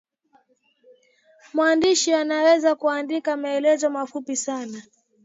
mwandishi anaweza kuandika maelezo mafupi sana